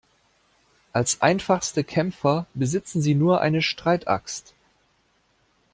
Als einfachste Kämpfer besitzen sie nur eine Streitaxt.